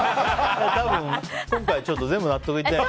多分、今回全部納得いってない。